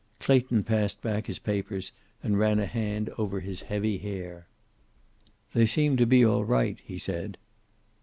Clayton passed back his papers, and ran a hand over his heavy hair. "They seem to be all right," he said.